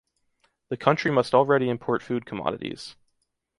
The country must already import food commodities.